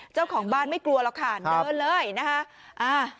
เจ้าของบ้านไม่กลัวหรอกค่ะเดินเลยนะคะ